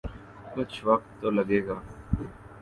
کچھ وقت تو لگے گا۔